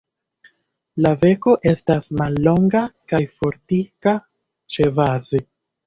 La beko estas mallonga kaj fortika ĉebaze.